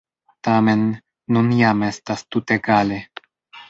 Tamen, nun jam estas tutegale.